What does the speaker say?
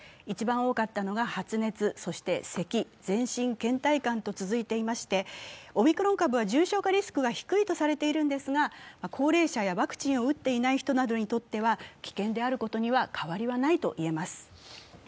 一番多かったのが発熱、せき、全身けん怠感と続いていましてオミクロン株は重症化リスクが低いとされているんですが、高齢者やワクチンを打っていない人などにとっては危険であることには変わりはないといえます。